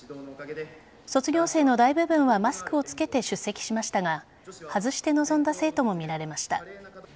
卒業生の大部分はマスクをつけて出席しましたが外して臨んだ生徒も見られました。